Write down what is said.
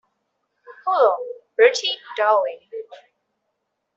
Hullo, Bertie, darling.